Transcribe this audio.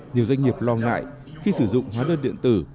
nhiều doanh nghiệp lo ngại khi sử dụng hóa đơn điện tử